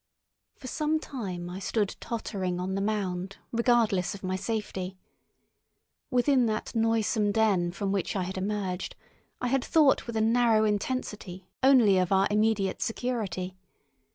For some time I stood tottering on the mound regardless of my safety. Within that noisome den from which I had emerged I had thought with a narrow intensity only of our immediate security.